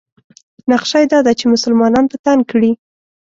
نقشه یې دا ده چې مسلمانان په تنګ کړي.